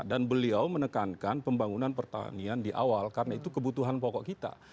dan beliau menekankan pembangunan pertanian di awal karena itu kebutuhan pokok kita